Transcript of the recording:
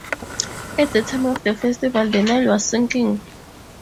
At the time of the festival, the Nile was sinking.